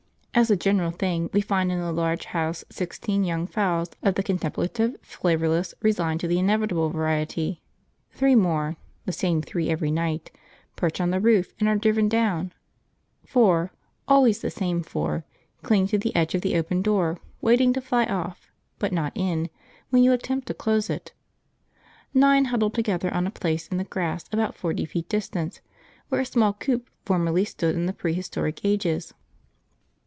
As a general thing, we find in the large house sixteen young fowls of the contemplative, flavourless, resigned to the inevitable variety; three more (the same three every night) perch on the roof and are driven down; four (always the same four) cling to the edge of the open door, waiting to fly off, but not in, when you attempt to close it; nine huddle together on a place in the grass about forty feet distant, where a small coop formerly stood in the prehistoric ages.